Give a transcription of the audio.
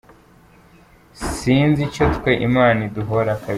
sinzi icyo twe Imana iduhora kabisa